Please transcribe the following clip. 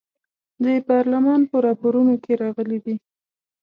د پارلمان په راپورونو کې راغلي دي.